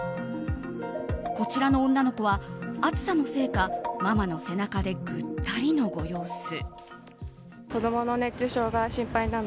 こちらの女の子は、暑さのせいかママの背中でぐったりのご様子。